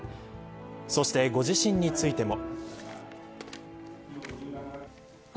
そしてご自身についても。